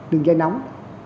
đường dây nóng